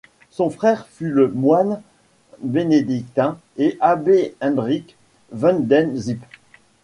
Son frère fut le moine bénédictin et abbé Hendrick Van den Zype.